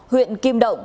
huyện kim động